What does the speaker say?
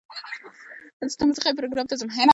زه د موسیقۍ پروګرام ته ځم.